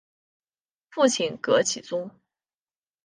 父亲戈启宗。